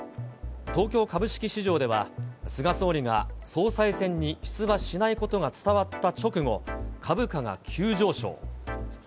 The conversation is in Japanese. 東京株式市場では、菅総理が総裁選に出馬しないことが伝わった直後、株価が急上昇。